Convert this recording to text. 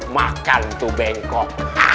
makan tuh bengkok